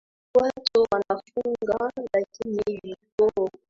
watu wanafuga lakini vikoo